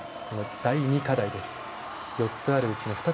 第２課題です。